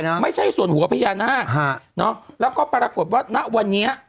ไม่ใช่ส่วนหัวพญานาคฮะเนอะแล้วก็ปรากฏว่าณวันนี้